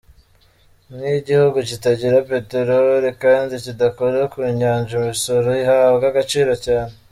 Nk’igihugu kitagira peteroli kandi kidakora ku Nyanja, imisoro ihabwa agaciro cyane.